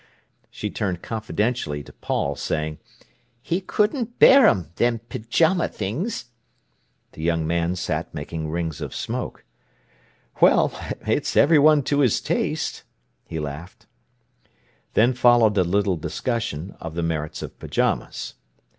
She turned confidentially to Paul, saying: "He couldn't bear 'em, them pyjama things." The young man sat making rings of smoke. "Well, it's everyone to his taste," he laughed. Then followed a little discussion of the merits of pyjamas.